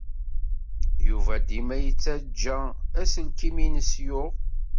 Yuba dima yettajja aselkim-nnes yuɣ.